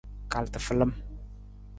Kal tafalam.